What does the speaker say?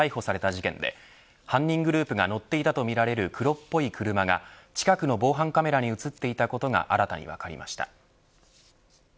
事件で犯人グループが乗っていたとみられる黒っぽい車が近くの防犯カメラに映っていたことが新たに分かりました。